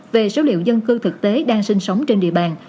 về số liệu dân cư thực tế đang sinh sống trên địa bàn